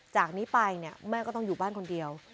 จากนี้ไปเนี่ยแม่ก็ต้องอยู่บ้านคนเดียว